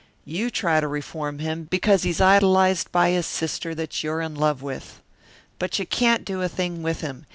You try to reform him because he's idolized by his sister that you're in love with. "But you can't do a thing with him.